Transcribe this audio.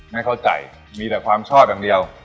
ไม่เข้าใจมีแต่ความชอบอย่างเดียว